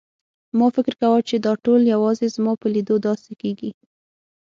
ما فکر کاوه چې دا ټول یوازې زما په لیدو داسې کېږي.